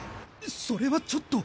それはちょっと。